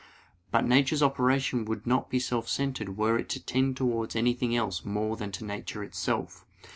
But nature's operation would not be self centered were it to tend towards anything else more than to nature itself.